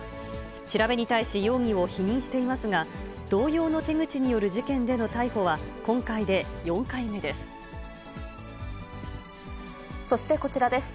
調べに対し容疑を否認していますが、同様の手口による事件での逮そしてこちらです。